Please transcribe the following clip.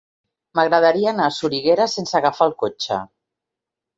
M'agradaria anar a Soriguera sense agafar el cotxe.